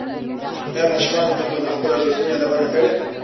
ایا ماشومانو ته مو د خپلو ارزښتونو یادونه کړې؟